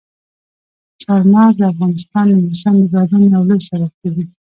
چار مغز د افغانستان د موسم د بدلون یو لوی سبب کېږي.